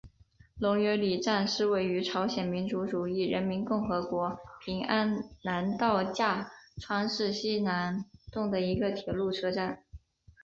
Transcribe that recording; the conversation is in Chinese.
龙源里站是位于朝鲜民主主义人民共和国平安南道价川市西南洞的一个铁路车站。